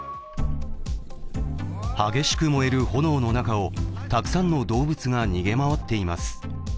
激しく燃える炎の中をたくさんの動物が逃げ回っています。